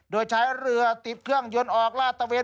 โดยใช้เรือติดเครื่องยนต์ออกลาดตะเวน